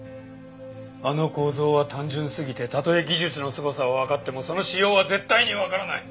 あの構造は単純すぎてたとえ技術のすごさはわかってもその仕様は絶対にわからない。